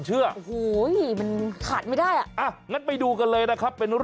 จะเล่าให้คุณผู้ชมได้ติดตามกัน